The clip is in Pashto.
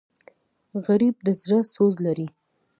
غریب د زړه سوز لري